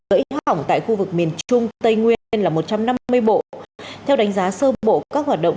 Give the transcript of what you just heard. trên các tuyến quốc lộ khu vực miền trung tây nguyên tính tới thời điểm ngày hai mươi sáu một mươi là khoảng năm mươi tỷ đồng